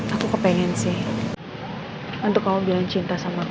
aku kepengen sih untuk kamu bilang cinta sama aku